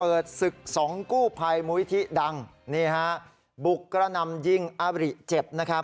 ศึกสองกู้ภัยมุยที่ดังนี่ฮะบุกกระนำยิงอาบริเจ็บนะครับ